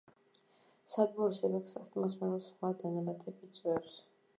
სათბურის ეფექტს ატმოსფეროს სხვა დანამატები იწვევს.